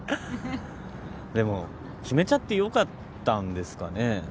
でも決めちゃって良かったんですかね？